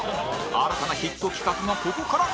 新たなヒット企画がここから